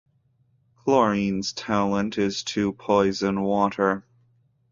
Chlorine's talent is to poison water.